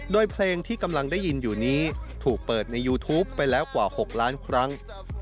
โดยเพลงที่กำลังได้ยินอยู่นี้ถูกเปิดในยูทูปไปแล้วกว่า๖ล้านครั้ง